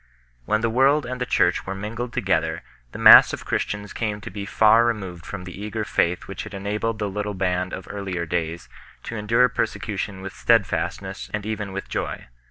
When the world and the Church were mingled together, the mass of Christians came to be far removed from the eager faith which had enabled the little band of earlier days to endure persecution with steadfastness and even with joy.